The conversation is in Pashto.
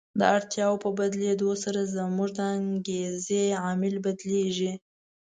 د اړتیاوو په بدلېدو سره زموږ د انګېزې عامل بدلیږي.